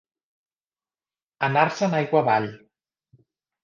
Anar-se'n aigua avall.